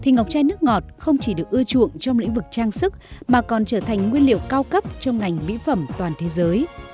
ngọc chai nước ngọt không chỉ được ưa chuộng trong lĩnh vực trang sức mà còn trở thành nguyên liệu cao cấp trong ngành mỹ phẩm toàn thế giới